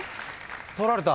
取られた。